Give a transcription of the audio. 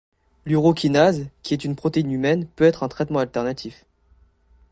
L'urokinase, qui est une protéine humaine, peut être un traitement alternatif.